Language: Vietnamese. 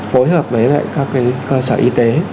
phối hợp với các cái cơ sở y tế